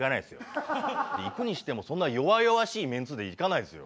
行くにしてもそんな弱々しいメンツで行かないですよ。